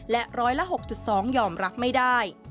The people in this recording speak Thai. และร้อยละ๖๒ยอมรับไม่ได้